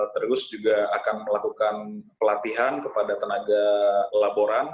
terus juga akan melakukan pelatihan kepada tenaga laboran